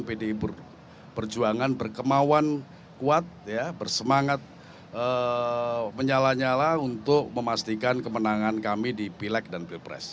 pdi perjuangan berkemauan kuat bersemangat menyala nyala untuk memastikan kemenangan kami di pilek dan pilpres